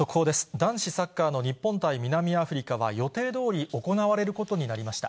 男子サッカーの日本対南アフリカは、予定どおり行われることになりました。